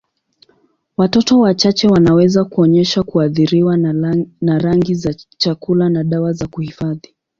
Watoto wachache wanaweza kuonyesha kuathiriwa na rangi za chakula na dawa za kuhifadhi.